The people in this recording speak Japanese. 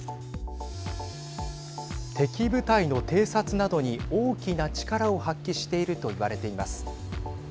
敵部隊の偵察などに大きな力を発揮しているといわれています。